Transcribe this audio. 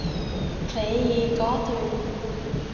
尾二嗰段